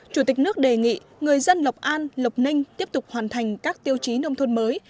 chủ tịch nước đề nghị người dân lộc an lộc ninh tiếp tục hoàn thành các tiêu chí nông thôn mới